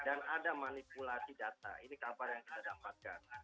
dan ada manipulasi data ini kabar yang kita dapatkan